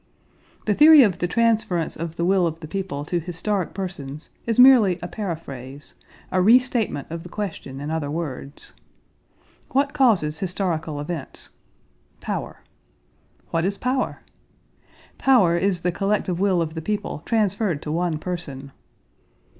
The theory of the transference of the will of the people to historic persons is merely a paraphrase—a restatement of the question in other words. What causes historical events? Power. What is power? Power is the collective will of the people transferred to one person.